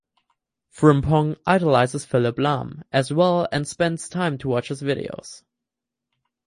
Frimpong idolises Philip Lahm as well and spends time to watch his videos.